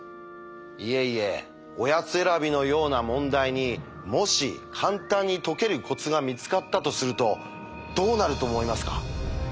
いえいえおやつ選びのような問題にもし簡単に解けるコツが見つかったとするとどうなると思いますか？